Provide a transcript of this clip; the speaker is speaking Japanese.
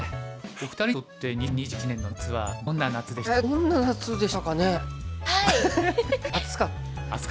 お二人にとって２０２１年の夏はどんな夏でしたか？